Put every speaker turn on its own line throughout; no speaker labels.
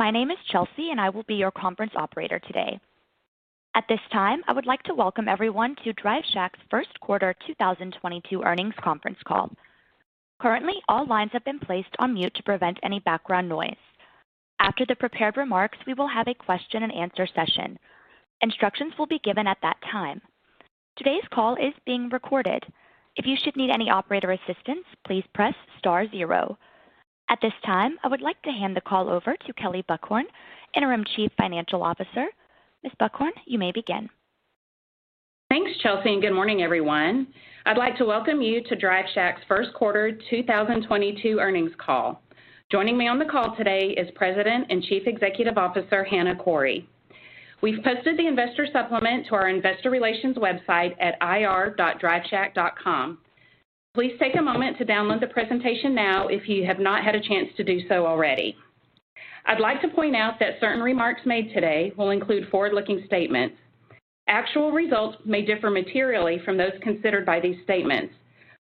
My name is Chelsea, and I will be your conference operator today. At this time, I would like to welcome everyone to Drive Shack Q1 2022 Earnings Conference Call. Currently, all lines have been placed on mute to prevent any background noise. After the prepared remarks, we will have a question-and-answer session. Instructions will be given at that time. Today's call is being recorded. If you should need any operator assistance, please press star zero. At this time, I would like to hand the call over to Kelley Buchhorn, Interim Chief Financial Officer. Ms. Buchhorn, you may begin.
Thanks, Chelsea, and good morning, everyone. I'd like to welcome you to Drive Shack's Q1 2022 earnings call. Joining me on the call today is President and Chief Executive Officer, Hana Khouri. We've posted the investor supplement to our investor relations website at ir.driveshack.com. Please take a moment to download the presentation now if you have not had a chance to do so already. I'd like to point out that certain remarks made today will include forward-looking statements. Actual results may differ materially from those considered by these statements.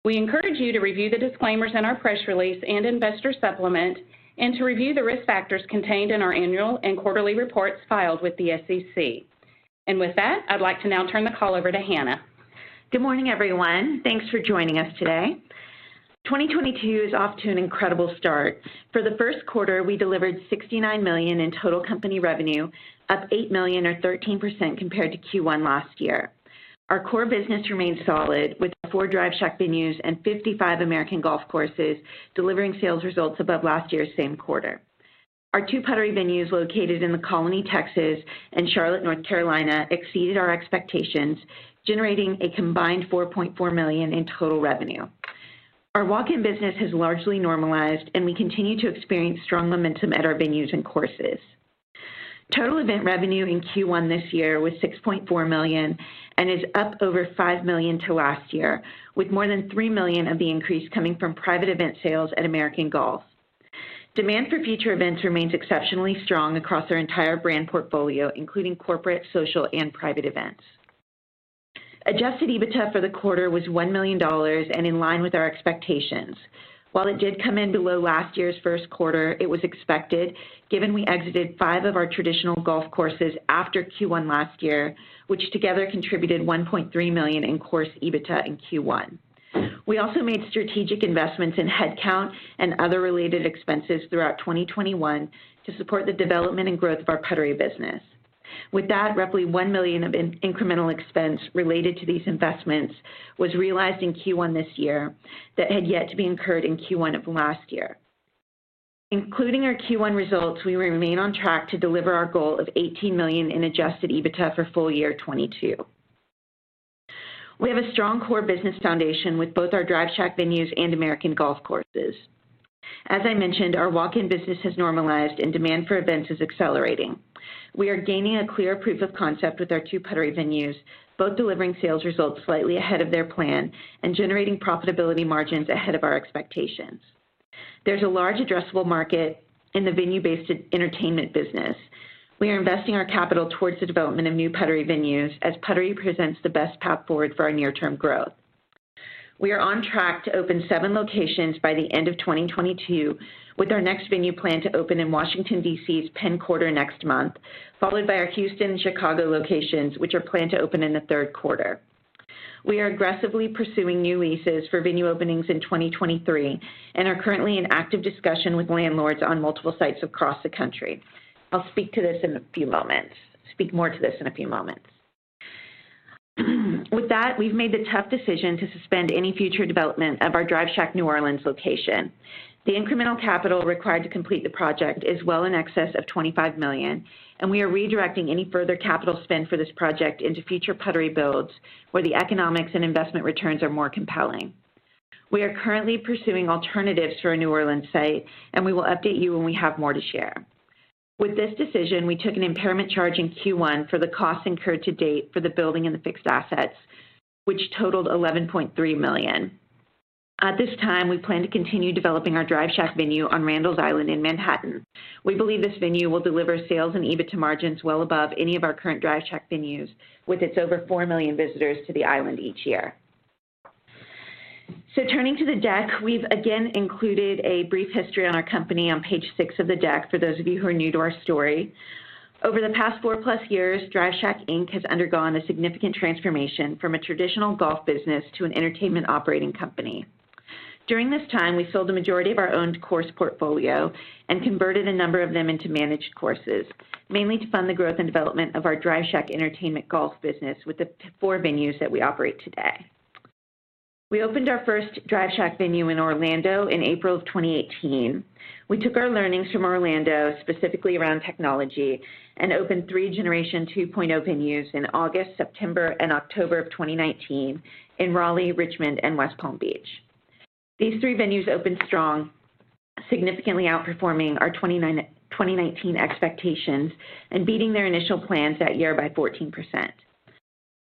We encourage you to review the disclaimers in our press release and investor supplement and to review the risk factors contained in our annual and quarterly reports filed with the SEC. With that, I'd like to now turn the call over to Hana.
Good morning, everyone. Thanks for joining us today. 2022 is off to an incredible start. For the Q1, we delivered $69 million in total company revenue, up $8 million or 13% compared to Q1 last year. Our core business remains solid with 4 Drive Shack venues and 55 American Golf courses delivering sales results above last year's same quarter. Our 2 Puttery venues located in The Colony, Texas, and Charlotte, North Carolina, exceeded our expectations, generating a combined $4.4 million in total revenue. Our walk-in business has largely normalized, and we continue to experience strong momentum at our venues and courses. Total event revenue in Q1 this year was $6.4 million and is up over $5 million to last year, with more than $3 million of the increase coming from private event sales at American Golf. Demand for future events remains exceptionally strong across our entire brand portfolio, including corporate, social and private events. Adjusted EBITDA for the quarter was $1 million and in line with our expectations. While it did come in below last year's Q1, it was expected given we exited 5 of our traditional golf courses after Q1 last year, which together contributed $1.3 million in course EBITDA in Q1. We also made strategic investments in headcount and other related expenses throughout 2021 to support the development and growth of our Puttery business. With that, roughly $1 million of incremental expense related to these investments was realized in Q1 this year that had yet to be incurred in Q1 of last year. Including our Q1 results, we remain on track to deliver our goal of $18 million in adjusted EBITDA for full-year 2022. We have a strong core business foundation with both our Drive Shack venues and American Golf courses. As I mentioned, our walk-in business has normalized and demand for events is accelerating. We are gaining a clear proof of concept with our 2 Puttery venues, both delivering sales results slightly ahead of their plan and generating profitability margins ahead of our expectations. There's a large addressable market in the venue-based entertainment business. We are investing our capital towards the development of new Puttery venues as Puttery presents the best path forward for our near-term growth. We are on track to open seven locations by the end of 2022, with our next venue planned to open in Washington, D.C.'s Penn Quarter next month, followed by our Houston, Chicago locations, which are planned to open in the Q3. We are aggressively pursuing new leases for venue openings in 2023 and are currently in active discussion with landlords on multiple sites across the country. I'll speak more to this in a few moments. With that, we've made the tough decision to suspend any future development of our Drive Shack New Orleans location. The incremental capital required to complete the project is well in excess of $25 million, and we are redirecting any further capital spend for this project into future Puttery builds where the economics and investment returns are more compelling. We are currently pursuing alternatives for a New Orleans site, and we will update you when we have more to share. With this decision, we took an impairment charge in Q1 for the costs incurred to date for the building and the fixed assets, which totaled $11.3 million. At this time, we plan to continue developing our Drive Shack venue on Randall's Island in Manhattan. We believe this venue will deliver sales and EBITDA margins well above any of our current Drive Shack venues, with its over 4 million visitors to the island each year. Turning to the deck, we've again included a brief history on our company on page 6 of the deck for those of you who are new to our story. Over the past 4-plus years, Drive Shack Inc. has undergone a significant transformation from a traditional golf business to an entertainment operating company. During this time, we sold the majority of our owned course portfolio and converted a number of them into managed courses, mainly to fund the growth and development of our Drive Shack entertainment golf business with the 4 venues that we operate today. We opened our first Drive Shack venue in Orlando in April of 2018. We took our learnings from Orlando, specifically around technology, and opened 3 Generation 2.0 venues in August, September, and October of 2019 in Raleigh, Richmond, and West Palm Beach. These 3 venues opened strong, significantly outperforming our 2019 expectations and beating their initial plans that year by 14%.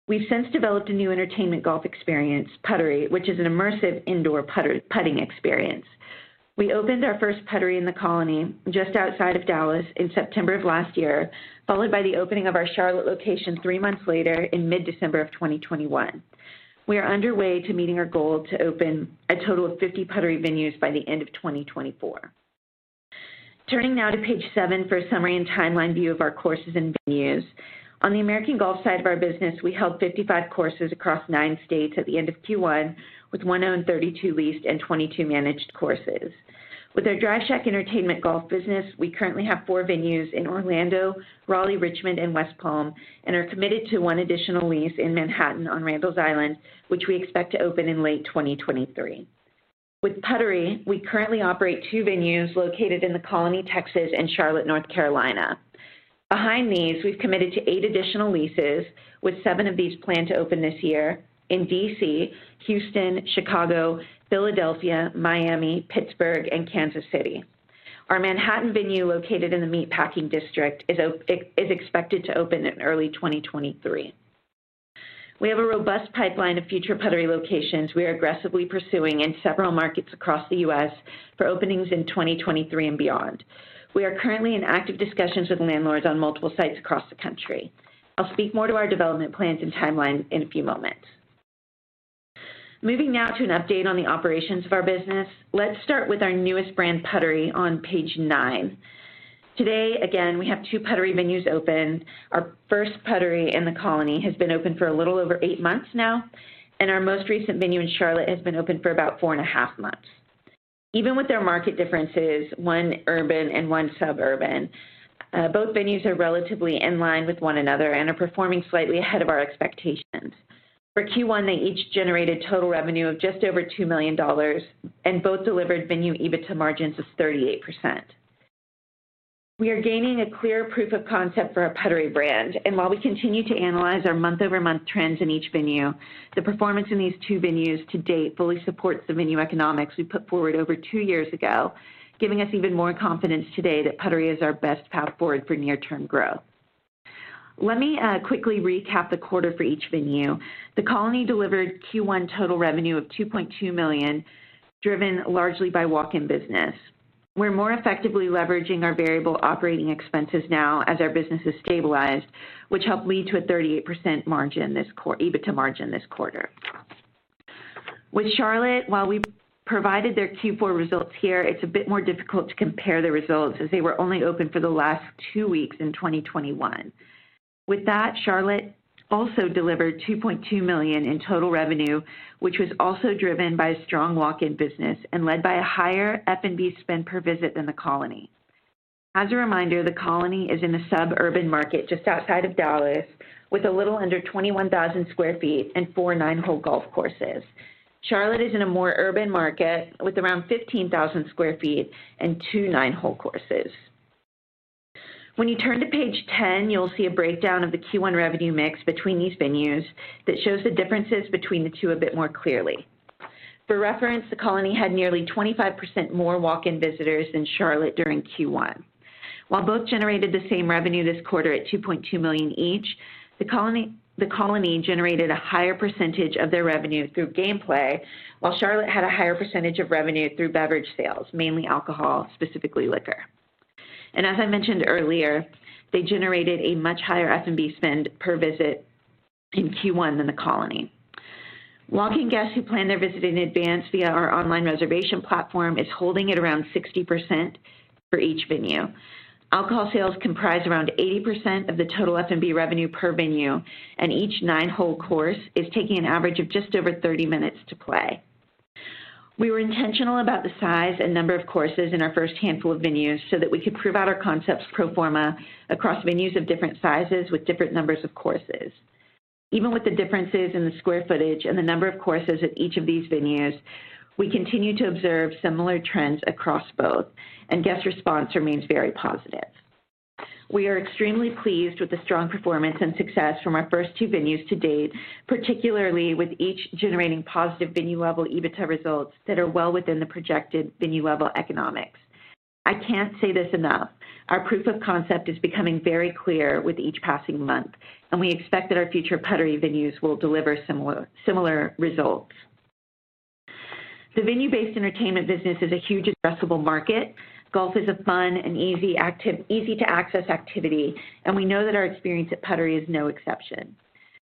We've since developed a new entertainment golf experience, Puttery, which is an immersive indoor putter-putting experience. We opened our first Puttery in The Colony just outside of Dallas in September of last year, followed by the opening of our Charlotte location three months later in mid-December 2021. We are underway to meeting our goal to open a total of 50 Puttery venues by the end of 2024. Turning now to page 7 for a summary and timeline view of our courses and venues. On the American Golf side of our business, we held 55 courses across nine states at the end of Q1, with one owned, 32 leased, and 22 managed courses. With our Drive Shack Entertainment Golf business, we currently have four venues in Orlando, Raleigh, Richmond, and West Palm, and are committed to one additional lease in Manhattan on Randall's Island, which we expect to open in late 2023. With Puttery, we currently operate two venues located in The Colony, Texas, and Charlotte, North Carolina. Behind these, we've committed to eight additional leases with seven of these planned to open this year in D.C., Houston, Chicago, Philadelphia, Miami, Pittsburgh, and Kansas City. Our Manhattan venue, located in the Meatpacking District, is expected to open in early 2023. We have a robust pipeline of future Puttery locations we are aggressively pursuing in several markets across the U.S. for openings in 2023 and beyond. We are currently in active discussions with landlords on multiple sites across the country. I'll speak more to our development plans and timeline in a few moments. Moving now to an update on the operations of our business. Let's start with our newest brand, Puttery, on page nine. Today, again, we have two Puttery venues open. Our first Puttery in The Colony has been open for a little over 8 months now, and our most recent venue in Charlotte has been open for about four and a half months. Even with their market differences, one urban and one suburban, both venues are relatively in line with one another and are performing slightly ahead of our expectations. For Q1, they each generated total revenue of just over $2 million, and both delivered venue EBITDA margins of 38%. We are gaining a clear proof of concept for our Puttery brand, and while we continue to analyze our month-over-month trends in each venue, the performance in these two venues to date fully supports the venue economics we put forward over 2 years ago, giving us even more confidence today that Puttery is our best path forward for near-term growth. Let me quickly recap the quarter for each venue. The Colony delivered Q1 total revenue of $2.2 million, driven largely by walk-in business. We're more effectively leveraging our variable operating expenses now as our business has stabilized, which helped lead to a 38% EBITDA margin this quarter. With Charlotte, while we provided their Q4 results here, it's a bit more difficult to compare the results as they were only open for the last two weeks in 2021. With that, Charlotte also delivered $2.2 million in total revenue, which was also driven by strong walk-in business and led by a higher F&B spend per visit than The Colony. As a reminder, The Colony is in a suburban market just outside of Dallas with a little under 21,000 sq ft and four nine-hole golf courses. Charlotte is in a more urban market with around 15,000 sq ft and two nine-hole courses. When you turn to page 10, you'll see a breakdown of the Q1 revenue mix between these venues that shows the differences between the two a bit more clearly. For reference, The Colony had nearly 25% more walk-in visitors than Charlotte during Q1. While both generated the same revenue this quarter at $2.2 million each, The Colony generated a higher percentage of their revenue through gameplay, while Charlotte had a higher percentage of revenue through beverage sales, mainly alcohol, specifically liquor. As I mentioned earlier, they generated a much higher F&B spend per visit in Q1 than The Colony. Walk-in guests who plan their visit in advance via our online reservation platform is holding at around 60% for each venue. Alcohol sales comprise around 80% of the total F&B revenue per venue, and each nine-hole course is taking an average of just over 30 minutes to play. We were intentional about the size and number of courses in our first handful of venues so that we could prove out our concepts pro forma across venues of different sizes with different numbers of courses. Even with the differences in the square footage and the number of courses at each of these venues, we continue to observe similar trends across both, and guest response remains very positive. We are extremely pleased with the strong performance and success from our first two venues to date, particularly with each generating positive venue-level EBITDA results that are well within the projected venue-level economics. I can't say this enough. Our proof of concept is becoming very clear with each passing month, and we expect that our future Puttery venues will deliver similar results. The venue-based entertainment business is a huge addressable market. Golf is a fun and easy-to-access activity, and we know that our experience at Puttery is no exception.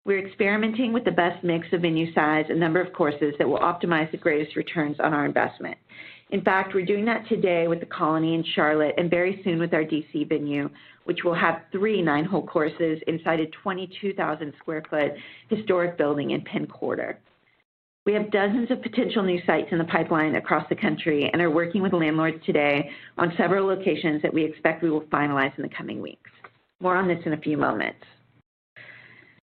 We're experimenting with the best mix of venue size and number of courses that will optimize the greatest returns on our investment. In fact, we're doing that today with The Colony in Charlotte and very soon with our D.C. venue, which will have 3 nine-hole courses inside a 22,000 sq ft historic building in Penn Quarter. We have dozens of potential new sites in the pipeline across the country and are working with landlords today on several locations that we expect we will finalize in the coming weeks. More on this in a few moments.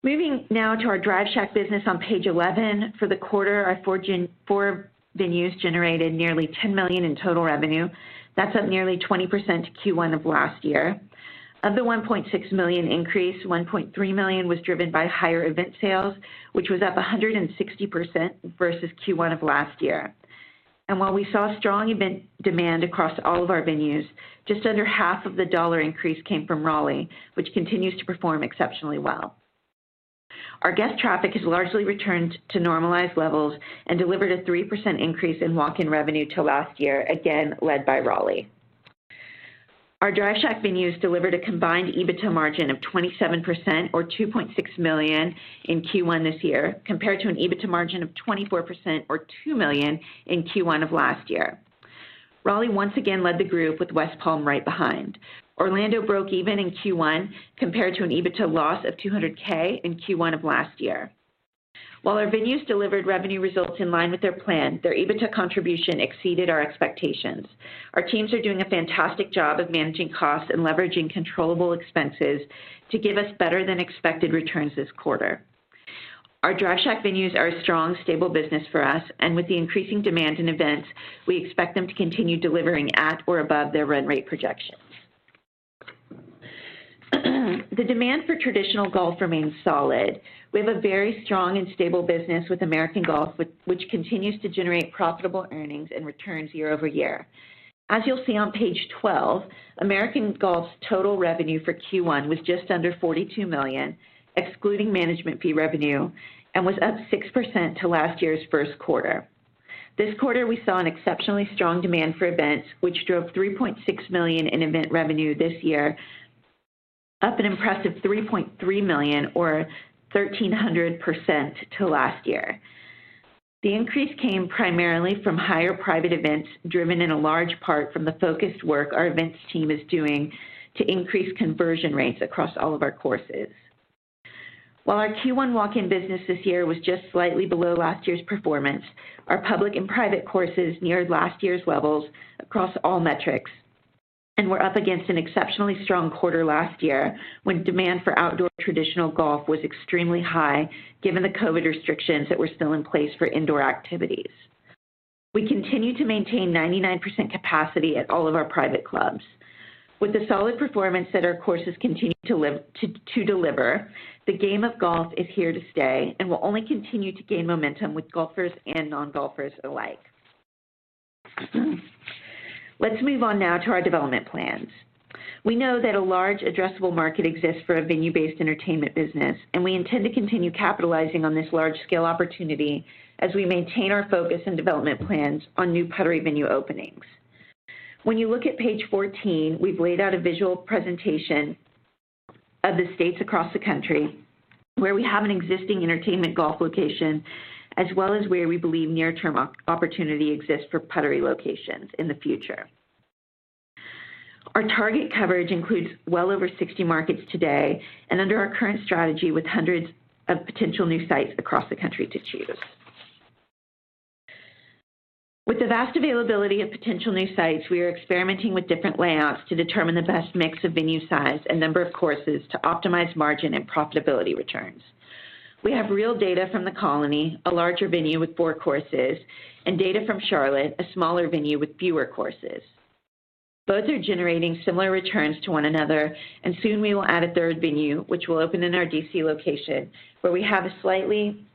Moving now to our Drive Shack business on page 11. For the quarter, our 4 venues generated nearly $10 million in total revenue. That's up nearly 20% to Q1 of last year. Of the $1.6 million increase, $1.3 million was driven by higher event sales, which was up 160% versus Q1 of last year. While we saw strong event demand across all of our venues, just under half of the dollar increase came from Raleigh, which continues to perform exceptionally well. Our guest traffic has largely returned to normalized levels and delivered a 3% increase in walk-in revenue to last year, again led by Raleigh. Our Drive Shack venues delivered a combined EBITDA margin of 27% or $2.6 million in Q1 this year, compared to an EBITDA margin of 24% or $2 million in Q1 of last year. Raleigh once again led the group with West Palm right behind. Orlando broke even in Q1 compared to an EBITDA loss of $200K in Q1 of last year. While our venues delivered revenue results in line with their plan, their EBITDA contribution exceeded our expectations. Our teams are doing a fantastic job of managing costs and leveraging controllable expenses to give us better than expected returns this quarter. Our Drive Shack venues are a strong, stable business for us, and with the increasing demand in events, we expect them to continue delivering at or above their run rate projections. The demand for traditional golf remains solid. We have a very strong and stable business with American Golf, which continues to generate profitable earnings and returns year-over-year. As you'll see on page 12, American Golf's total revenue for Q1 was just under $42 million, excluding management fee revenue, and was up 6% to last year's Q1. This quarter, we saw an exceptionally strong demand for events which drove $3.6 million in event revenue this year, up an impressive $3.3 million or 1,300% to last year. The increase came primarily from higher-private events, driven in a large part from the focused work our events team is doing to increase conversion rates across all of our courses. While our Q1 walk-in business this year was just slightly below last year's performance, our public and private courses neared last year's levels across all metrics, and were up against an exceptionally strong quarter last year when demand for outdoor traditional golf was extremely high, given the COVID restrictions that were still in place for indoor activities. We continue to maintain 99% capacity at all of our private clubs. With the solid performance that our courses continue to deliver, the game of golf is here to stay and will only continue to gain momentum with golfers and non-golfers alike. Let's move on now to our development plans. We know that a large addressable market exists for a venue-based entertainment business, and we intend to continue capitalizing on this large-scale opportunity as we maintain our focus and development plans on new Puttery venue openings. When you look at page 14, we've laid out a visual presentation of the states across the country where we have an existing entertainment golf location, as well as where we believe near-term opportunity exists for Puttery locations in the future. Our target coverage includes well over 60 markets today, and under our current strategy with hundreds of potential new sites across the country to choose. With the vast availability of potential new sites, we are experimenting with different layouts to determine the best mix of venue size and number of courses to optimize margin and profitability returns. We have real data from The Colony, a larger venue with four courses, and data from Charlotte, a smaller venue with fewer courses. Both are generating similar returns to one another, and soon we will add a third venue, which will open in our D.C. location, where we have a slightly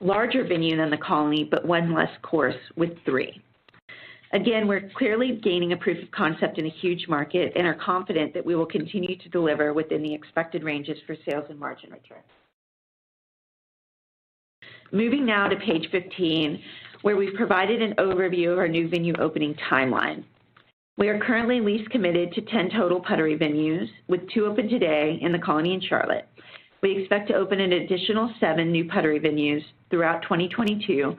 larger venue than The Colony, but one less course with three. We're clearly gaining a proof of concept in a huge market and are confident that we will continue to deliver within the expected ranges for sales and margin returns. Moving now to page 15, where we've provided an overview of our new venue opening timeline. We are currently lease committed to 10 total Puttery venues, with two open today in The Colony and Charlotte. We expect to open an additional 7 new Puttery venues throughout 2022,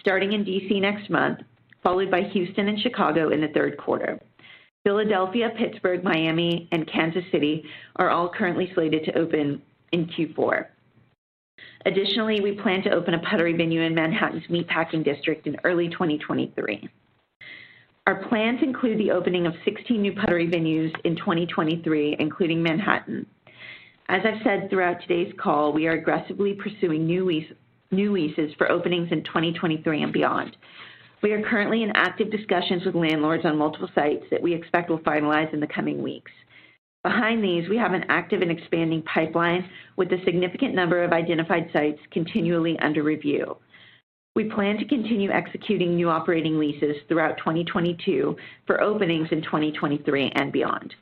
starting in D.C. next month, followed by Houston and Chicago in the Q3. Philadelphia, Pittsburgh, Miami, and Kansas City are all currently slated to open in Q4. Additionally, we plan to open a Puttery venue in Manhattan's Meatpacking District in early 2023. Our plans include the opening of 16 new Puttery venues in 2023, including Manhattan. As I've said throughout today's call, we are aggressively pursuing new leases for openings in 2023 and beyond. We are currently in active discussions with landlords on multiple sites that we expect will finalize in the coming weeks. Behind these, we have an active and expanding pipeline with a significant number of identified sites continually under review. We plan to continue executing new operating leases throughout 2022 for openings in 2023 and beyond.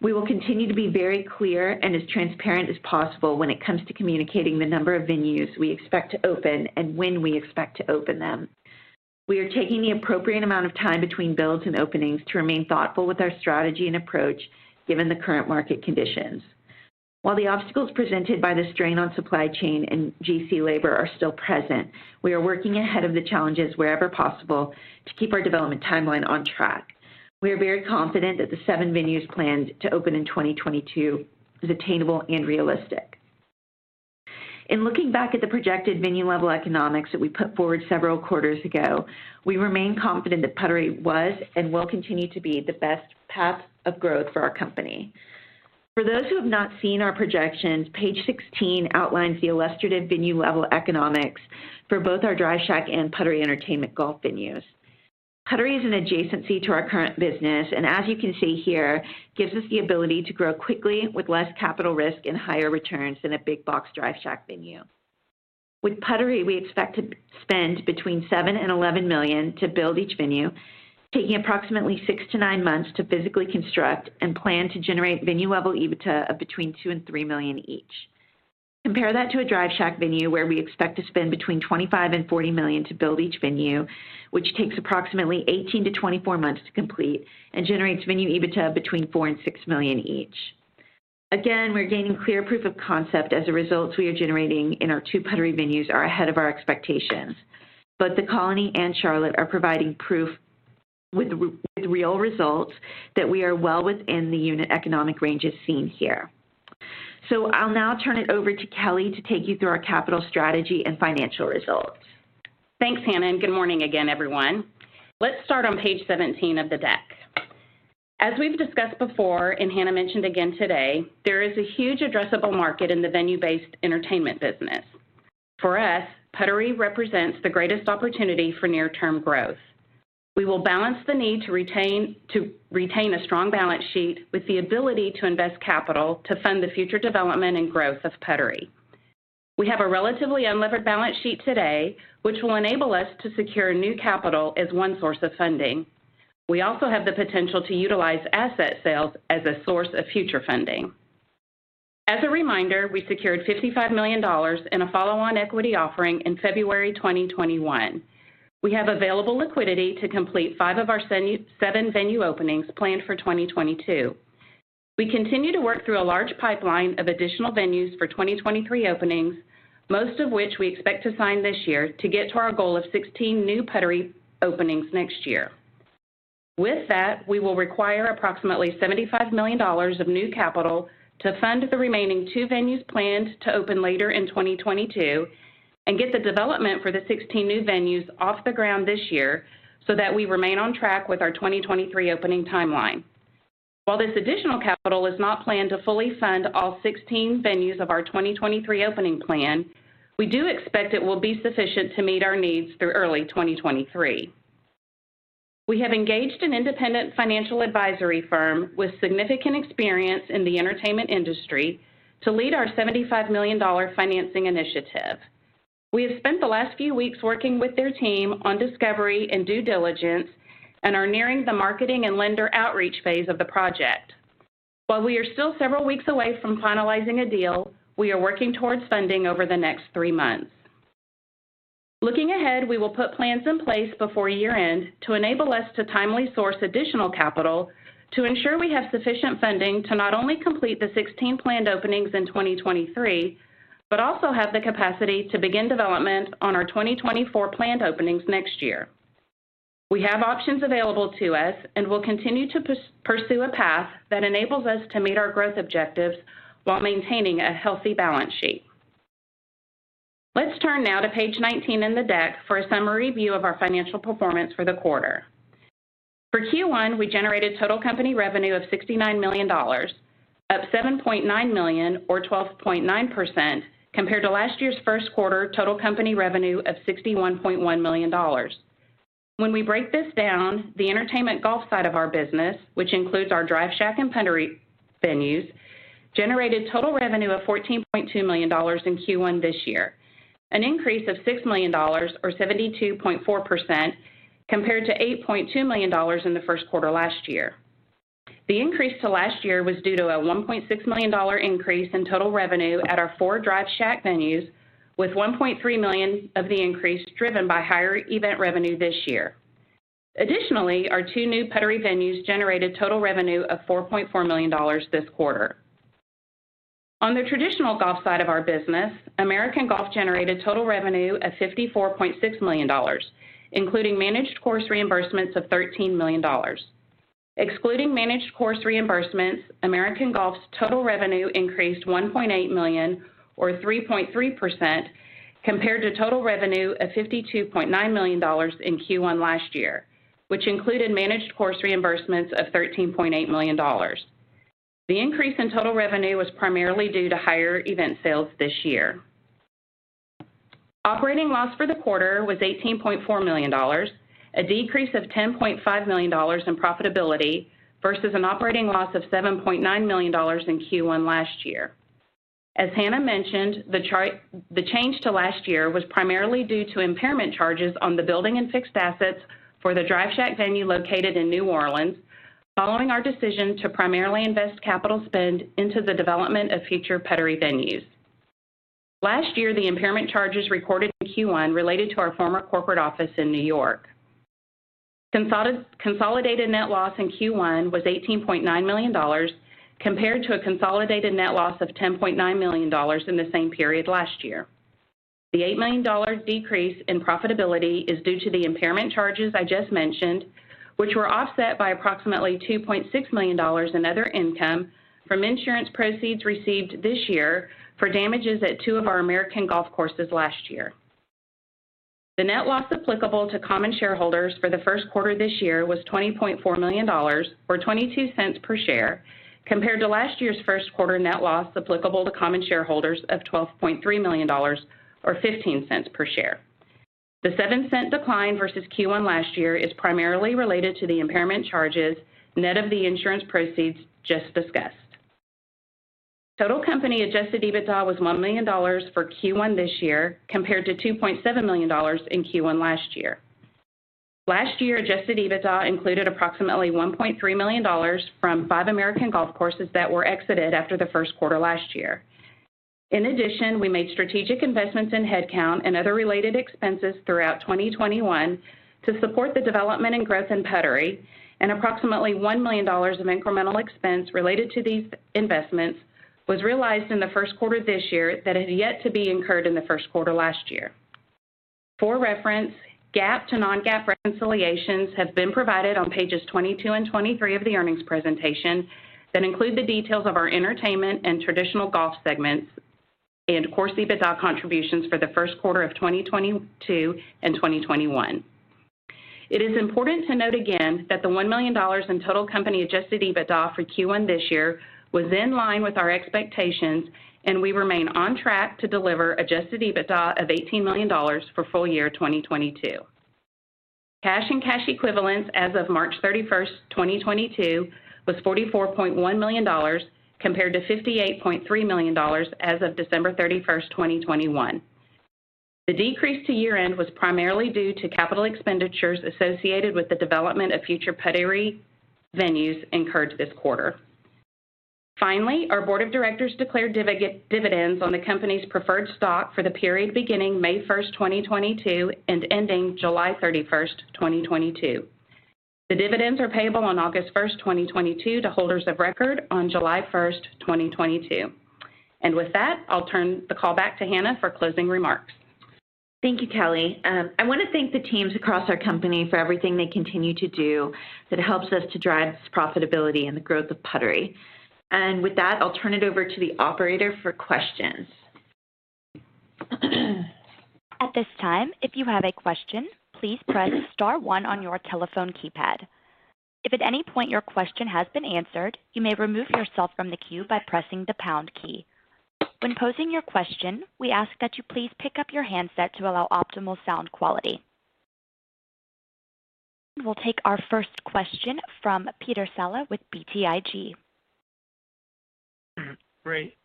We will continue to be very clear and as transparent as possible when it comes to communicating the number of venues we expect to open and when we expect to open them. We are taking the appropriate amount of time between builds and openings to remain thoughtful with our strategy and approach given the current market conditions. While the obstacles presented by the strain on supply chain and GC labor are still present, we are working ahead of the challenges wherever possible to keep our development timeline on track. We are very confident that the 7 venues planned to open in 2022 is attainable and realistic. In looking back at the projected venue-level economics that we put forward several quarters ago, we remain confident that Puttery was and will continue to be the best path of growth for our company. For those who have not seen our projections, page 16 outlines the illustrative venue-level economics for both our Drive Shack and Puttery Entertainment golf venues. Puttery is an adjacency to our current business, and as you can see here, gives us the ability to grow quickly with less capital risk and higher returns than a big box Drive Shack venue. With Puttery, we expect to spend between $7 million and $11 million to build each venue, taking approximately 6-9 months to physically construct and plan to generate venue-level EBITDA of between $2 million and $3 million each. Compare that to a Drive Shack venue where we expect to spend between $25 million and $40 million to build each venue, which takes approximately 18-24 months to complete and generates venue EBITDA between $4 million and $6 million each. Again, we're gaining clear proof of concept as the results we are generating in our two Puttery venues are ahead of our expectations. Both The Colony and Charlotte are providing proof with real results that we are well within the unit economic ranges seen here. I'll now turn it over to Kelley to take you through our capital strategy and financial results.
Thanks, Hana, and good morning again, everyone. Let's start on page 17 of the deck. As we've discussed before, and Hana mentioned again today, there is a huge addressable market in the venue-based entertainment business. For us, Puttery represents the greatest opportunity for near-term growth. We will balance the need to retain a strong balance sheet with the ability to invest capital to fund the future development and growth of Puttery. We have a relatively unlevered balance sheet today, which will enable us to secure new capital as one source of funding. We also have the potential to utilize asset sales as a source of future funding. As a reminder, we secured $55 million in a follow-on equity offering in February 2021. We have available liquidity to complete five of our seven venue openings planned for 2022. We continue to work through a large pipeline of additional venues for 2023 openings, most of which we expect to sign this year to get to our goal of 16 new Puttery openings next year. With that, we will require approximately $75 million of new capital to fund the remaining 2 venues planned to open later in 2022 and get the development for the 16 new venues off the ground this year so that we remain on track with our 2023 opening timeline. While this additional capital is not planned to fully fund all 16 venues of our 2023 opening plan, we do expect it will be sufficient to meet our needs through early 2023. We have engaged an independent financial advisory firm with significant experience in the entertainment industry to lead our $75 million financing initiative. We have spent the last few weeks working with their team on discovery and due diligence and are nearing the marketing and lender outreach phase of the project. While we are still several weeks away from finalizing a deal, we are working towards funding over the next three months. Looking ahead, we will put plans in place before year-end to enable us to timely source additional capital to ensure we have sufficient funding to not only complete the 16 planned openings in 2023, but also have the capacity to begin development on our 2024 planned openings next year. We have options available to us and will continue to pursue a path that enables us to meet our growth objectives while maintaining a healthy balance sheet. Let's turn now to page 19 in the deck for a summary view of our financial performance for the quarter. For Q1, we generated total company revenue of $69 million, up $7.9 million or 12.9% compared to last year's Q1 total company revenue of $61.1 million. When we break this down, the entertainment golf side of our business, which includes our Drive Shack and Puttery venues, generated total revenue of $14.2 million in Q1 this year, an increase of $6 million or 72.4% compared to $8.2 million in the Q1 last year. The increase to last year was due to a $1.6 million increase in total revenue at our four Drive Shack venues, with $1.3 million of the increase driven by higher event revenue this year. Additionally, our two new Puttery venues generated total revenue of $4.4 million this quarter. On the traditional golf side of our business, American Golf generated total revenue of $54.6 million, including managed course reimbursements of $13 million. Excluding managed course reimbursements, American Golf's total revenue increased $1.8 million or 3.3% compared to total revenue of $52.9 million in Q1 last year, which included managed course reimbursements of $13.8 million. The increase in total revenue was primarily due to higher event sales this year. Operating loss for the quarter was $18.4 million, a decrease of $10.5 million in profitability versus an operating loss of $7.9 million in Q1 last year. As Hana mentioned, the change to last year was primarily due to impairment charges on the building and fixed assets for the Drive Shack venue located in New Orleans, following our decision to primarily invest capital spend into the development of future Puttery venues. Last year, the impairment charges recorded in Q1 related to our former corporate office in New York. Consolidated net loss in Q1 was $18.9 million compared to a consolidated net loss of $10.9 million in the same period last year. The $8 million decrease in profitability is due to the impairment charges I just mentioned, which were offset by approximately $2.6 million in other income from insurance proceeds received this year for damages at two of our American Golf courses last year. The net loss applicable to common shareholders for the Q1 this year was $20.4 million or 22 cents per share, compared to last year's Q1 net loss applicable to common shareholders of $12.3 million or 15 cents per share. The 7-cent decline versus Q1 last year is primarily related to the impairment charges net of the insurance proceeds just discussed. Total company adjusted EBITDA was $1 million for Q1 this year compared to $2.7 million in Q1 last year. Last year, adjusted EBITDA included approximately $1.3 million from 5 American Golf courses that were exited after the Q1 last year. In addition, we made strategic investments in headcount and other related expenses throughout 2021 to support the development and growth in Puttery. Approximately $1 million of incremental expense related to these investments was realized in the Q1 this year that had yet to be incurred in the Q1 last year. For reference, GAAP to non-GAAP reconciliations have been provided on pages 22 and 23 of the earnings presentation that include the details of our entertainment and traditional golf segments and core EBITDA contributions for the Q1 2022 and 2021. It is important to note again that the $1 million in total company adjusted EBITDA for Q1 this year was in line with our expectations, and we remain on track to deliver adjusted EBITDA of $18 million for full-year 2022. Cash and cash equivalents as of March 31, 2022 was $44.1 million, compared to $58.3 million as of December 31, 2021. The decrease to year-end was primarily due to capital expenditures associated with the development of future Puttery venues incurred this quarter. Finally, our board of directors declared dividends on the company's preferred stock for the period beginning May 1, 2022, and ending July 31, 2022. The dividends are payable on August 1, 2022 to holders of record on July 1, 2022. With that, I'll turn the call back to Hana for closing remarks.
Thank you, Kelley. I want to thank the teams across our company for everything they continue to do that helps us to drive this profitability and the growth of Puttery. With that, I'll turn it over to the operator for questions.
At this time, if you have a question, please press star one on your telephone keypad. If at any point your question has been answered, you may remove yourself from the queue by pressing the pound key. When posing your question, we ask that you please pick up your handset to allow optimal sound quality. We'll take our first question from Peter Saleh with BTIG.
Great.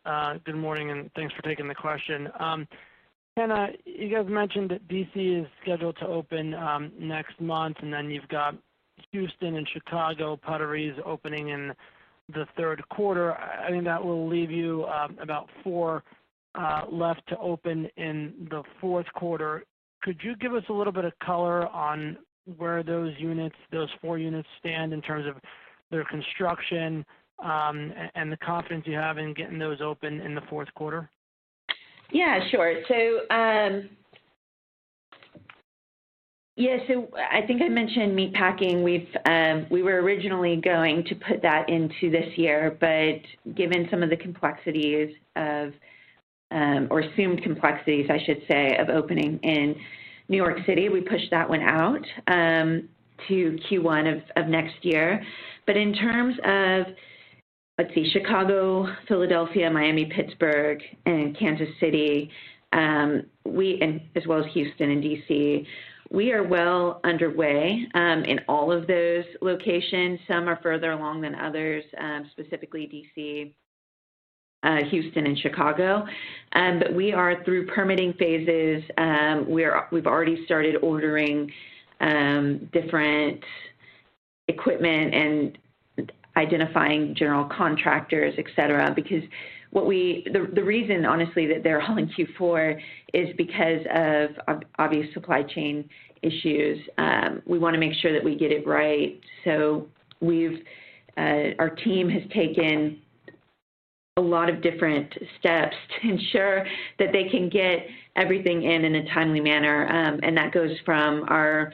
Good morning, and thanks for taking the question. Hana, you guys mentioned that D.C. is scheduled to open next month, and then you've got Houston and Chicago Putterys opening in the Q3. I think that will leave you about four left to open in the Q4. Could you give us a little bit of color on where those units, those four units stand in terms of their construction, and the confidence you have in getting those open in the Q4?
Yeah, sure. I think I mentioned Meatpacking. We were originally going to put that into this year, but given some of the complexities or assumed complexities, I should say, of opening in New York City, we pushed that one out to Q1 of next year. In terms of, let's see, Chicago, Philadelphia, Miami, Pittsburgh, and Kansas City, and as well as Houston and D.C., we are well-underway in all of those locations. Some are further along than others, specifically D.C., Houston and Chicago. We are through permitting phases. We've already started ordering different equipment and identifying general contractors, et cetera, because the reason, honestly, that they're all in Q4 is because of obvious supply chain issues. We wanna make sure that we get it right. We've our team has taken a lot of different steps to ensure that they can get everything in a timely manner. That goes from our,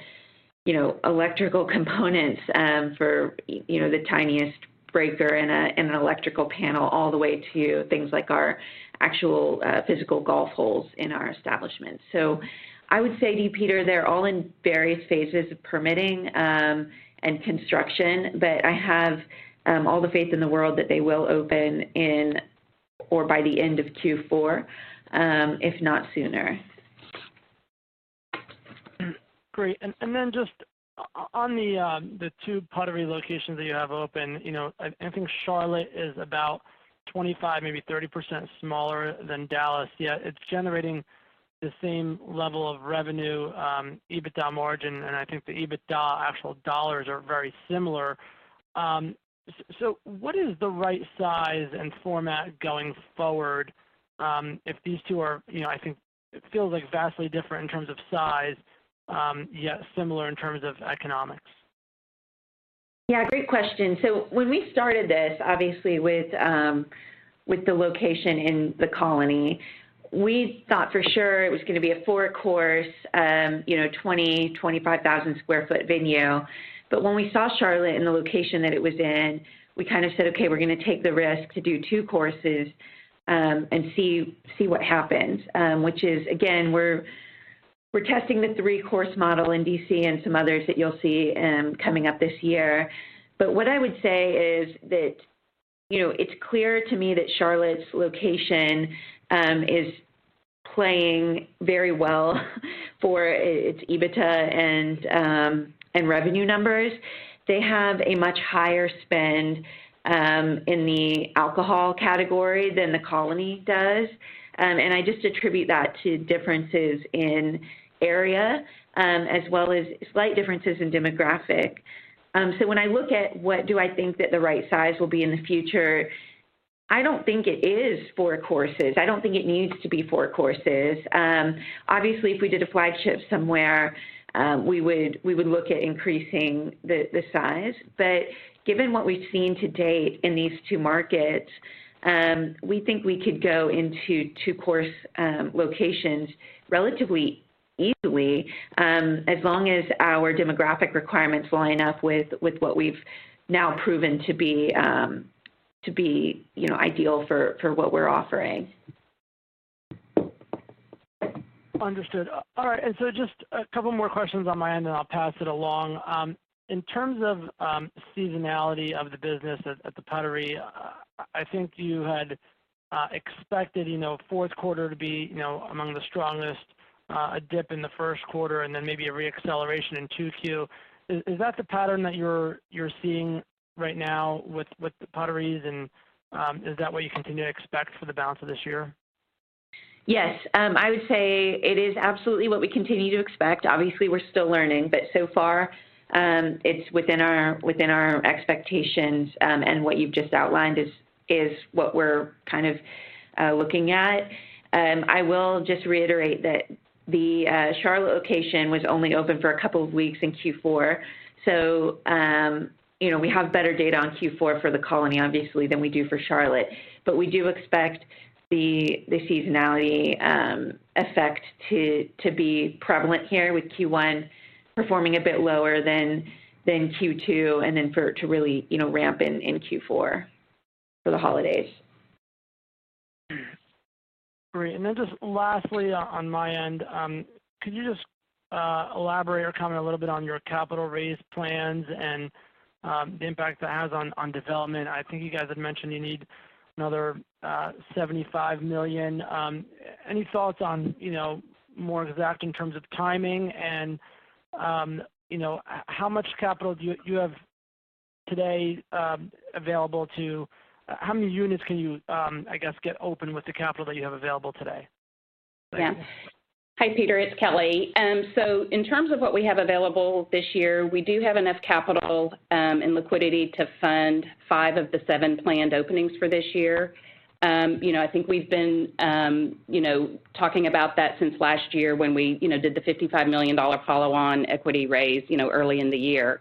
you know, electrical components for, you know, the tiniest breaker in an electrical panel, all the way to things like our actual physical golf holes in our establishment. I would say to you, Peter, they're all in various phases of permitting and construction, but I have all the faith in the world that they will open in or by the end of Q4, if not sooner.
Great. Then just on the two Puttery locations that you have open, you know, I think Charlotte is about 25, maybe 30% smaller than Dallas, yet it's generating the same level of revenue, EBITDA margin, and I think the EBITDA actual dollars are very similar. What is the right size and format going forward, if these two are, you know, I think it feels like vastly different in terms of size, yet similar in terms of economics?
Yeah, great question. When we started this, obviously, with the location in The Colony, we thought for sure it was gonna be a four-course, you know, 20-25,000 sq ft venue. When we saw Charlotte and the location that it was in, we kind of said, "Okay, we're gonna take the risk to do two courses, and see what happens," which is again, we're testing the three-course model in D.C. and some others that you'll see, coming up this year. What I would say is that, you know, it's clear to me that Charlotte's location is playing very well for its EBITDA and revenue numbers. They have a much higher-spend in the alcohol category than The Colony does. I just attribute that to differences in area, as well as slight differences in demographic. When I look at what do I think that the right size will be in the future, I don't think it is four courses. I don't think it needs to be four courses. Obviously, if we did a flagship somewhere, we would look at increasing the size. Given what we've seen to date in these two markets, we think we could go into two-course locations relatively easily, as long as our demographic requirements line up with what we've now proven to be, you know, ideal for what we're offering.
Understood. All right, just a couple more questions on my end, and I'll pass it along. In terms of seasonality of the business at the Puttery, I think you had expected, you know, Q4 to be, you know, among the strongest, a dip in the Q1 and then maybe a re-acceleration in 2Q. Is that the pattern that you're seeing right now with the Puttery, and is that what you continue to expect for the balance of this year?
Yes. I would say it is absolutely what we continue to expect. Obviously, we're still learning, but so far, it's within our expectations, and what you've just outlined is what we're kind of looking at. I will just reiterate that the Charlotte location was only open for a couple of weeks in Q4. You know, we have better data on Q4 for The Colony, obviously, than we do for Charlotte. We do expect the seasonality effect to be prevalent here with Q1 performing a bit lower than Q2, and then for it to really ramp in Q4 for the holidays.
Great. Just lastly on my end, could you just elaborate or comment a little bit on your capital raise plans and the impact that has on development? I think you guys had mentioned you need another $75 million. Any thoughts on, you know, more exact in terms of timing and, you know, how much capital do you have today available? How many units can you, I guess, get open with the capital that you have available today?
Yeah. Hi, Peter. It's Kelley. So in terms of what we have available this year, we do have enough capital and liquidity to fund five of the seven planned openings for this year. You know, I think we've been, you know, talking about that since last year when we, you know, did the $55 million follow-on equity raise, you know, early in the year.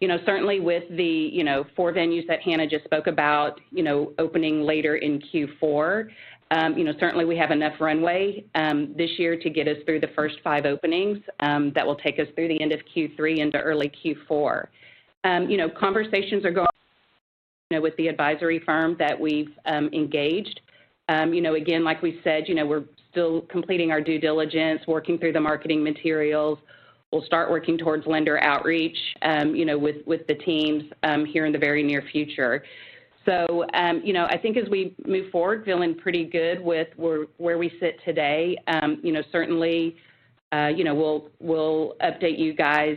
You know, certainly with the, you know, four venues that Hannah just spoke about, you know, opening later in Q4, you know, certainly we have enough runway this year to get us through the first five openings that will take us through the end of Q3 into early Q4. You know, conversations are going, you know, with the advisory firm that we've engaged. You know, again, like we said, you know, we're still completing our due diligence, working through the marketing materials. We'll start working towards lender outreach, you know, with the teams here in the very near future. You know, I think as we move forward, feeling pretty good with where we sit today. You know, certainly, you know, we'll update you guys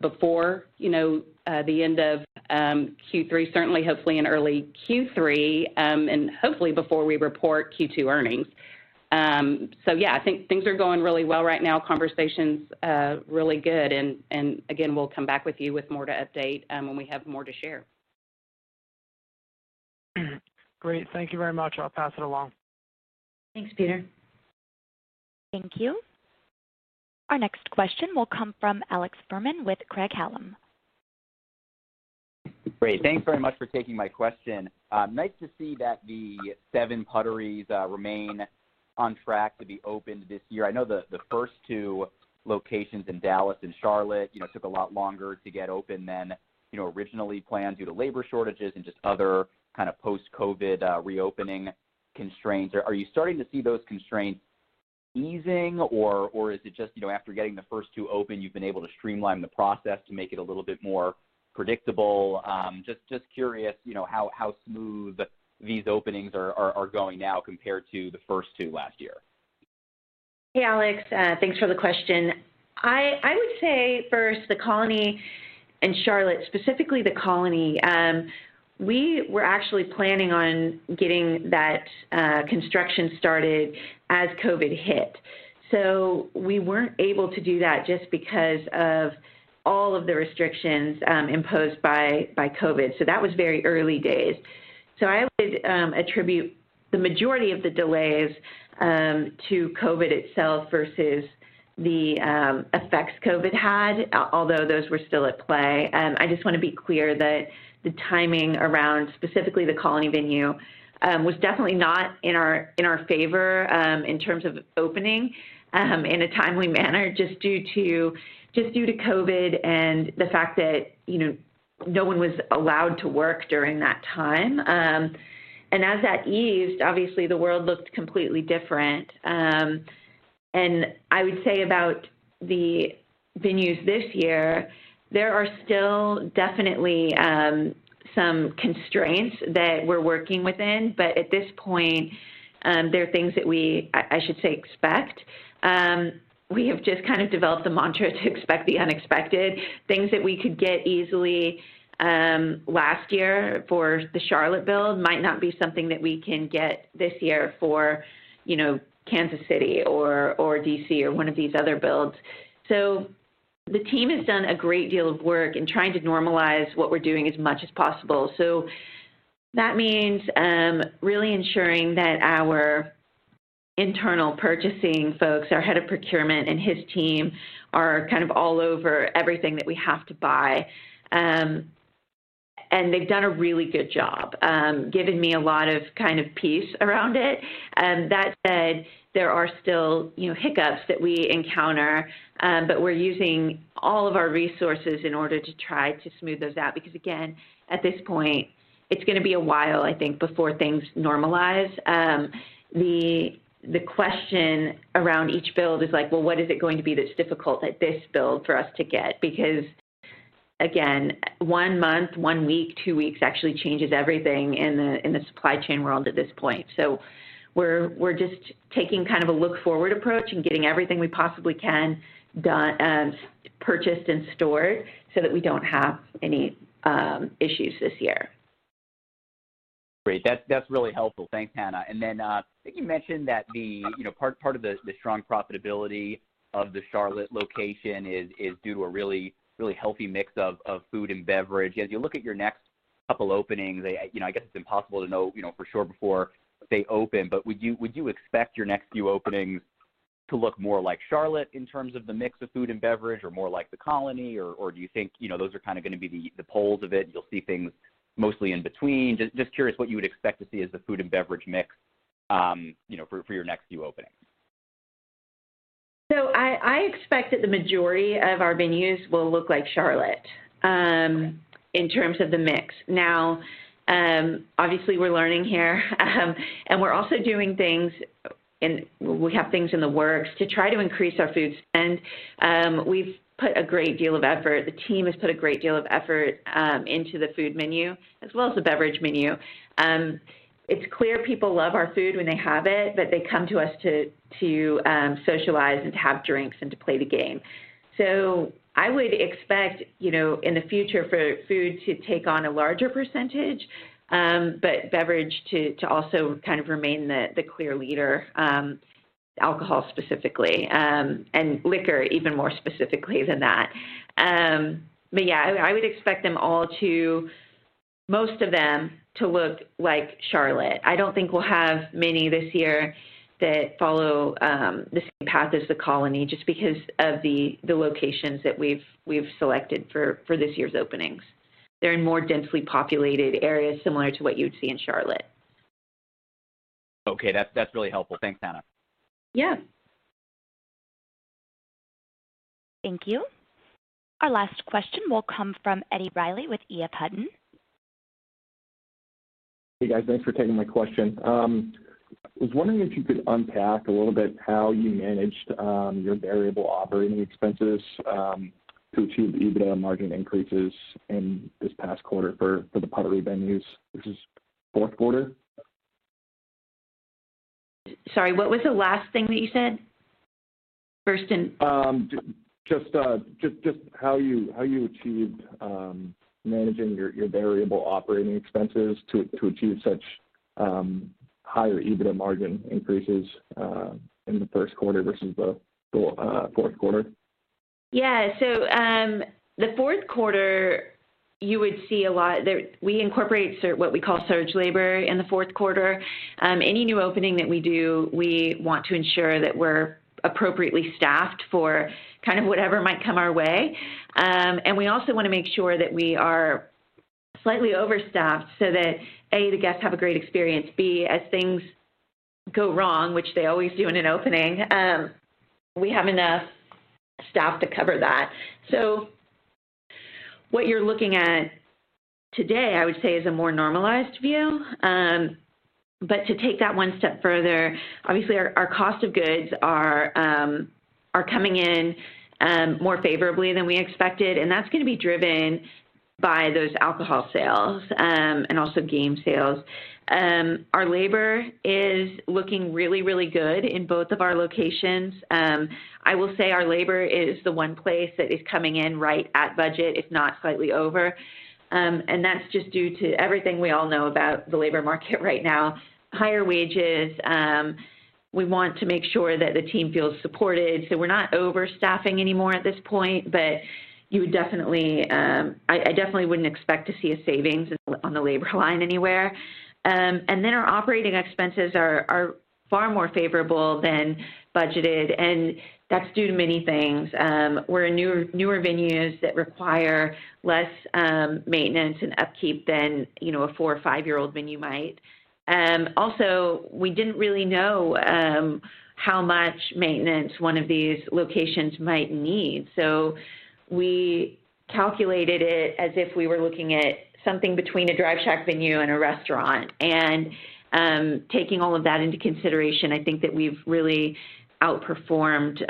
before you know the end of Q3, certainly, hopefully in early Q3, and hopefully before we report Q2 earnings. Yeah, I think things are going really well right now. Conversation's really good, and again, we'll come back with you with more to update when we have more to share.
Great. Thank you very much. I'll pass it along.
Thanks, Peter.
Thank you. Our next question will come from Alex Fuhrman with Craig-Hallum.
Great. Thanks very much for taking my question. Nice to see that the 7 Puttery remain on track to be opened this year. I know the first 2 locations in Dallas and Charlotte, you know, took a lot longer to get open than, you know, originally planned due to labor shortages and just other kind of post-COVID reopening constraints. Are you starting to see those constraints easing, or is it just, you know, after getting the first 2 open, you've been able to streamline the process to make it a little bit more predictable? Just curious, you know, how smooth these openings are going now compared to the first 2 last year.
Hey, Alex. Thanks for the question. I would say first, The Colony and Charlotte, specifically The Colony, we were actually planning on getting that construction started as COVID hit. We weren't able to do that just because of all of the restrictions imposed by COVID. That was very early days. I would attribute the majority of the delays to COVID itself versus the effects COVID had, although those were still at play. I just wanna be clear that the timing around specifically The Colony venue was definitely not in our favor in terms of opening in a timely manner just due to COVID and the fact that, you know, no one was allowed to work during that time. As that eased, obviously the world looked completely different. I would say about the venues this year, there are still definitely some constraints that we're working within, but at this point, there are things that we, I should say, expect. We have just kind of developed a mantra to expect the unexpected. Things that we could get easily last year for the Charlotte build might not be something that we can get this year for, you know, Kansas City or D.C. or one of these other builds. The team has done a great deal of work in trying to normalize what we're doing as much as possible. That means really ensuring that our internal purchasing folks, our head of procurement and his team are kind of all over everything that we have to buy. They've done a really good job, given me a lot of kind of peace around it. That said, there are still, you know, hiccups that we encounter, but we're using all of our resources in order to try to smooth those out because, again, at this point, it's gonna be a while, I think, before things normalize. The question around each build is like, well, what is it going to be that's difficult at this build for us to get? Because again, one month, one week, two weeks actually changes everything in the supply chain world at this point. We're just taking kind of a look forward approach and getting everything we possibly can done, purchased and stored so that we don't have any issues this year.
Great. That's really helpful. Thanks, Hana. Then, I think you mentioned that you know, part of the strong profitability of the Charlotte location is due to a really healthy mix of food and beverage. As you look at your next couple openings, you know, I guess it's impossible to know for sure before they open, but would you expect your next few openings to look more like Charlotte in terms of the mix of food and beverage or more like The Colony? Or do you think you know, those are kinda gonna be the poles of it, you'll see things mostly in between? Just curious what you would expect to see as the food and beverage mix you know, for your next few openings.
I expect that the majority of our venues will look like Charlotte.
Great
In terms of the mix. Now, obviously we're learning here, and we're also doing things and we have things in the works to try to increase our food spend. We've put a great deal of effort. The team has put a great deal of effort into the food menu as well as the beverage menu. It's clear people love our food when they have it, but they come to us to socialize and to have drinks and to play the game. I would expect, you know, in the future for food to take on a larger percentage, but beverage to also kind of remain the clear leader, alcohol specifically, and liquor even more specifically than that. Yeah, I would expect most of them to look like Charlotte. I don't think we'll have many this year that follow the same path as The Colony just because of the locations that we've selected for this year's openings. They're in more densely populated areas similar to what you would see in Charlotte.
Okay. That's really helpful. Thanks, Hana.
Yeah.
Thank you. Our last question will come from Eddie Reilly with EF Hutton.
Hey, guys. Thanks for taking my question. I was wondering if you could unpack a little bit how you managed your variable operating expenses to achieve the EBITDA margin increases in this past quarter for the Puttery venues, which is Q4.
Sorry, what was the last thing that you said?
Just how you achieved managing your variable operating expenses to achieve such higher EBITDA margin increases in the Q1 versus the Q4r?
Yeah. The Q4, you would see a lot there. We incorporate what we call surge labor in the Q4. Any new opening that we do, we want to ensure that we're appropriately staffed for kind of whatever might come our way. We also wanna make sure that we are slightly overstaffed so that, A, the guests have a great experience, B, as things go wrong, which they always do in an opening, we have enough staff to cover that. What you're looking at today, I would say, is a more normalized view. To take that one step further, obviously our cost of goods are coming in more favorably than we expected, and that's gonna be driven by those alcohol sales and also game sales. Our labor is looking really, really good in both of our locations. I will say our labor is the one place that is coming in right at budget, if not slightly over. That's just due to everything we all know about the labor market right now. Higher wages, we want to make sure that the team feels supported, so we're not overstaffing anymore at this point. You would definitely, I definitely wouldn't expect to see a savings on the labor line anywhere. Our operating expenses are far more favorable than budgeted, and that's due to many things. We're in newer venues that require less maintenance and upkeep than, you know, a four or five-year-old venue might. Also, we didn't really know how much maintenance one of these locations might need, so we calculated it as if we were looking at something between a Drive Shack venue and a restaurant. Taking all of that into consideration, I think that we've really outperformed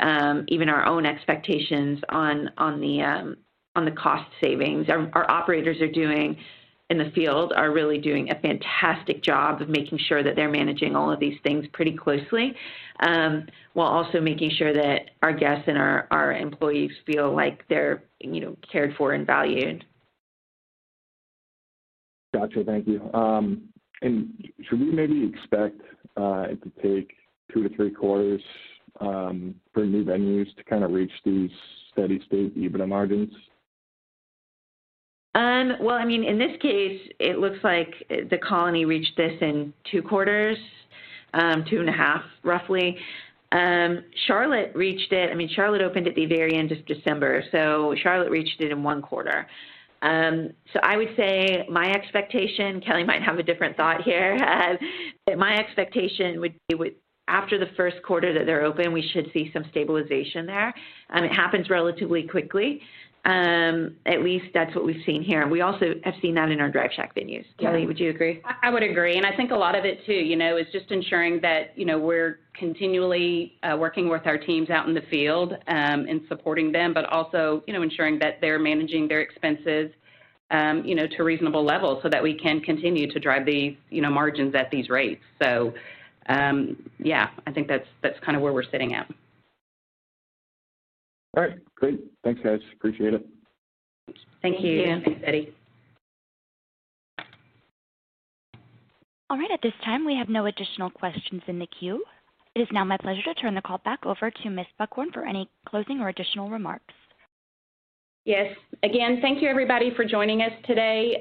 even our own expectations on the cost savings. Our operators in the field are really doing a fantastic job of making sure that they're managing all of these things pretty closely while also making sure that our guests and our employees feel like they're, you know, cared for and valued.
Gotcha. Thank you. Should we maybe expect it to take 2-3 quarters for new venues to kind of reach these steady state EBITDA margins?
Well, I mean, in this case, it looks like The Colony reached this in 2 quarters, 2.5, roughly. I mean, Charlotte reached it. Charlotte opened at the very end of December, so Charlotte reached it in 1 quarter. I would say my expectation, Kelley might have a different thought here, but my expectation would be with after the Q1 that they're open, we should see some stabilization there. It happens relatively quickly, at least that's what we've seen here. We also have seen that in our Drive Shack venues.
Yeah.
Kelley, would you agree?
I would agree. I think a lot of it too, you know, is just ensuring that, you know, we're continually working with our teams out in the field, and supporting them, but also, you know, ensuring that they're managing their expenses, you know, to reasonable levels so that we can continue to drive the, you know, margins at these rates. Yeah, I think that's kind of where we're sitting at.
All right, great. Thanks, guys. Appreciate it.
Thank you.
Thank you. Thanks, Eddie.
All right. At this time, we have no additional questions in the queue. It is now my pleasure to turn the call back over to Ms. Buchhorn for any closing or additional remarks.
Yes. Again, thank you everybody for joining us today.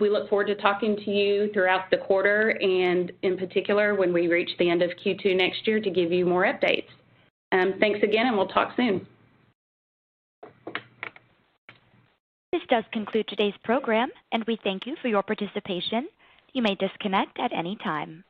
We look forward to talking to you throughout the quarter and in particular when we reach the end of Q2 next year to give you more updates. Thanks again, and we'll talk soon.
This does conclude today's program, and we thank you for your participation. You may disconnect at any time.